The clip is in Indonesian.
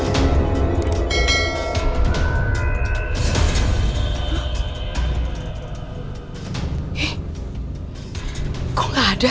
eh kok gak ada